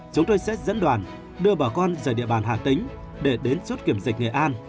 chúng tôi sẽ dẫn đoàn đưa bà con về địa bàn hà tĩnh để đến chút kiểm dịch nghề an